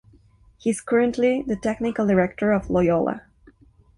He is currently the technical director of Loyola.